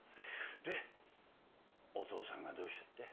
でお父さんがどうしたって？